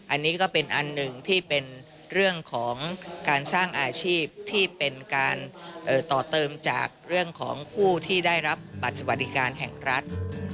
อันนี้ก็เป็นอันหนึ่งที่เป็นเรื่องของการสร้างอาชีพที่เป็นการต่อเติมจากเรื่องของผู้ที่ได้รับบัตรสวัสดิการแห่งรัฐ